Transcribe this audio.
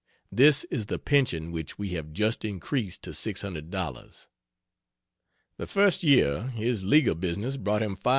This is the pension which we have just increased to $600. The first year his legal business brought him $5.